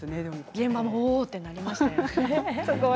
現場もおおっとなりましたよ。